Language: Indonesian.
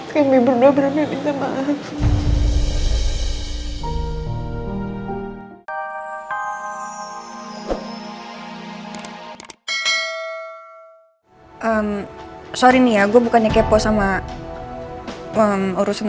kami berdua berani bersama andi